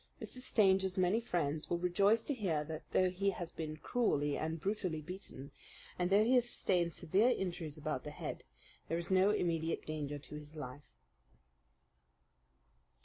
Mr. Stanger's many friends will rejoice to hear that, though he has been cruelly and brutally beaten, and though he has sustained severe injuries about the head, there is no immediate danger to his life.